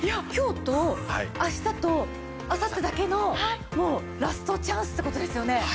今日と明日とあさってだけのもうラストチャンスって事ですよね？